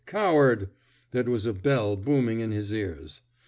Cow ard 1 " that was a bell booming in his ears.